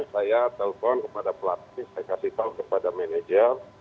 saya telpon kepada pelatih saya kasih tahu kepada manajer